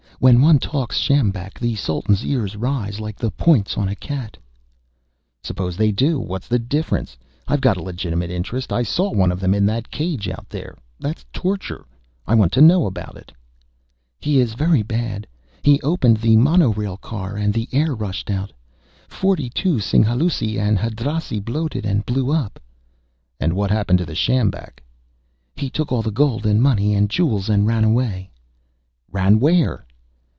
When one talks sjambak, the Sultan's ears rise, like the points on a cat." "Suppose they do what's the difference? I've got a legitimate interest. I saw one of them in that cage out there. That's torture. I want to know about it." "He is very bad. He opened the monorail car and the air rushed out. Forty two Singhalûsi and Hadrasi bloated and blew up." "And what happened to the sjambak?" "He took all the gold and money and jewels and ran away." "Ran where?"